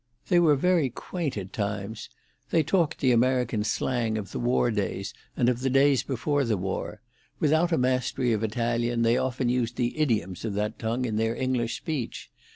They were very quaint at times. They talked the American slang of the war days and of the days before the war; without a mastery of Italian, they often used the idioms of that tongue in their English speech.